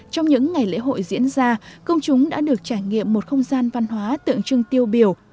trong những ngày lễ hội diễn ra công chúng đã được trải nghiệm một không gian văn hóa tượng trưng tiêu biểu